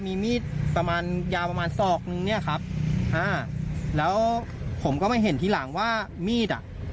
มีมีดประมาณยาวประมาณศอกนึงเนี่ยครับอ่าแล้วผมก็มาเห็นทีหลังว่ามีดอ่ะ